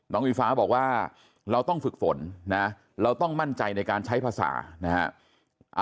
อิงฟ้าบอกว่าเราต้องฝึกฝนนะเราต้องมั่นใจในการใช้ภาษานะฮะ